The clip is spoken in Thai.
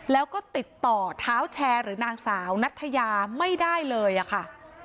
แล้วก็ติดต่อเท้าแชร์หรือนางสาวนัทยาไม่ได้เลยอะค่ะ